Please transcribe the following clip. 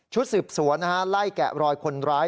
สืบสวนไล่แกะรอยคนร้าย